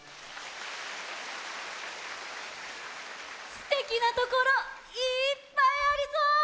すてきなところいっぱいありそう！